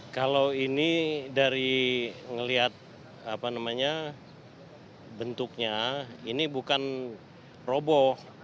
kalau ini dari ngelihat apa namanya bentuknya ini bukan robo